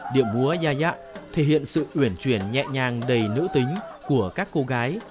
điệu múa gia thể hiện sự uyển chuyển nhẹ nhàng đầy nữ tính của các cô gái